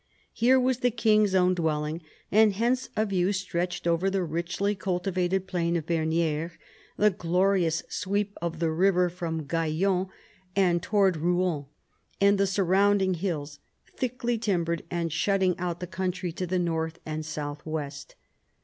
Here was the king's own dwelling, and hence a view stretched over the richly cultivated plain of Bernieres, the glorious sweep of the river from Gaillon and towards Eouen, and the sur rounding hills, thickly timbered and shutting out the country to the north and the south west.